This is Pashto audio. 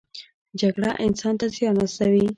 جګړه انسان ته زیان رسوي